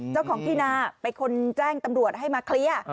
เจ้าของที่นาเป็นคนแจ้งตำรวจให้มาเคลียร์